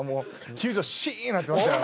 球場シーンなってましたから。